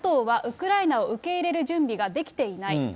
ＮＡＴＯは、ウクライナを受け入れる準備ができていない。